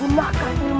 untuk membuat benih